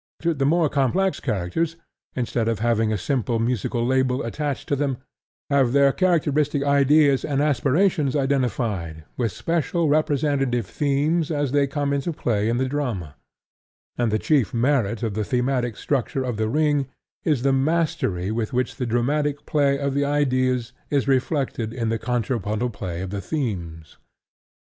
The more complex characters, instead of having a simple musical label attached to them, have their characteristic ideas and aspirations identified with special representative themes as they come into play in the drama; and the chief merit of the thematic structure of The Ring is the mastery with which the dramatic play of the ideas is reflected in the contrapuntal play of the themes.